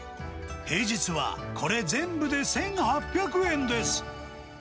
平日はこれ全部で１８００円です。